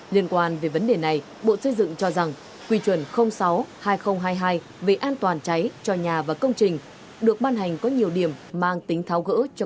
liên quan về vấn đề này bộ xây dựng cho rằng quy chuẩn sáu hai nghìn hai mươi hai về an toàn cháy cho nhà và công trình được ban hành có nhiều điểm mang tính tháo gỡ